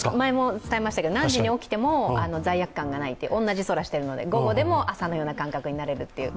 何時に起きても罪悪感がない、同じ空をしているので、午後でも朝のような感覚になれるっていう。